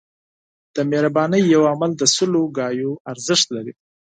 د مهربانۍ یو عمل د سلو خبرو ارزښت لري.